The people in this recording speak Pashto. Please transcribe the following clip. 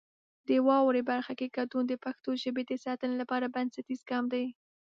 د واورئ برخه کې ګډون د پښتو ژبې د ساتنې لپاره بنسټیز ګام دی.